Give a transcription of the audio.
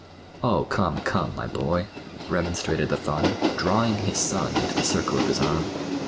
"Oh, come, come, my boy," remonstrated the father, drawing his son into the circle of his arm.